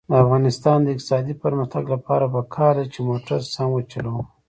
د افغانستان د اقتصادي پرمختګ لپاره پکار ده چې موټر سم وچلوو.